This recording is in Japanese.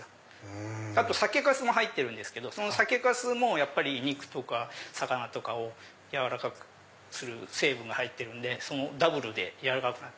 あと酒粕も入ってるんですけど酒粕も肉とか魚とかを軟らかくする成分が入ってるんでダブルで軟らかくなる。